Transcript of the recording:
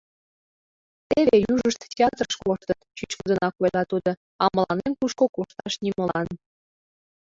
— Теве южышт театрыш коштыт, — чӱчкыдынак ойла тудо, — а мыланем тушко кошташ нимолан.